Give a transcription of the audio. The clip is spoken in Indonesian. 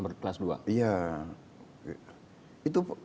berarti kita sudah di tunggu